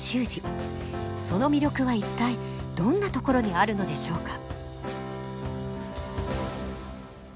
その魅力は一体どんなところにあるのでしょうか？